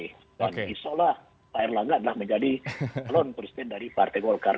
jangan kira pak erlangga adalah calon presiden dari partai golkar